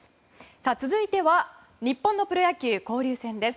続いては日本のプロ野球交流戦です。